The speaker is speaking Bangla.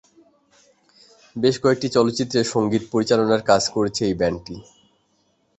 বেশ কয়েকটি চলচ্চিত্রে সংগীত পরিচালনার কাজ করেছে এই ব্যান্ডটি।